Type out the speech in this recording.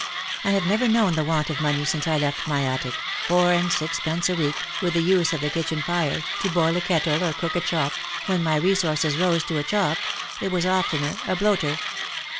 I have never known the want of money since I left my attic — four and sixpence a week, with the use of the kitchen fire, to boil a kettle, or cook a chop — when my resources rose to a chop — it was oftener a bloater.